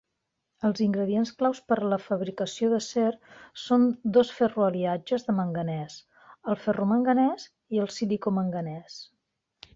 Els ingredients clau per a la fabricació d'acer són dos ferroaliatges de manganès, el ferromanganès i el silicomanganès.